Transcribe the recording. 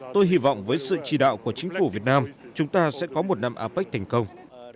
tôi hy vọng với sự chỉ đạo của chính phủ việt nam chúng ta sẽ có một năm apec thành công